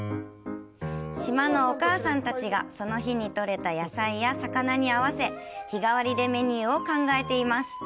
島のお母さんたちがその日とれた野菜や魚に合わせ日がわりでメニューを考えています。